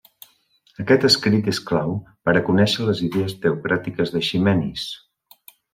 Aquest escrit és clau per a conéixer les idees teocràtiques d'Eiximenis.